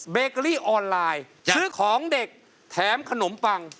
เบเกอรี่ออนไลน์ซื้อของเด็กแถมขนมปัง